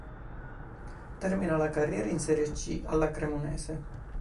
Termina la carriera in Serie C alla Cremonese.